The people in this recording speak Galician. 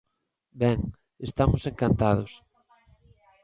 Ben, estamos encantados.